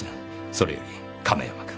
それより亀山君。